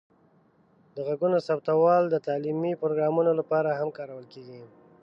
د غږونو ثبتول د تعلیمي پروګرامونو لپاره هم کارول کیږي.